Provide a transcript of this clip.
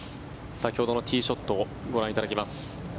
先ほどのティーショットご覧いただきます。